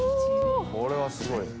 これはすごい！